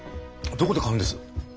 どこで買うんです？